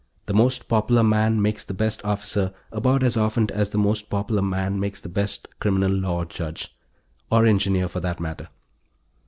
The most popular man makes the best officer about as often as the most popular man makes the best criminal law judge. Or engineer, for that matter.